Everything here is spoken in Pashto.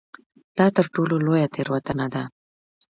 دا تر ټولو لویه تېروتنه ده.